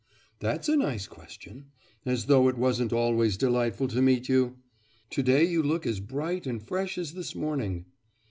'That's a nice question! As though it wasn't always delightful to meet you? To day you look as bright and fresh as this morning.